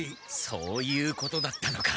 そういうことだったのか。